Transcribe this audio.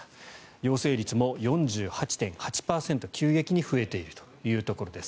陽性率も４８．８％急激に増えているところです。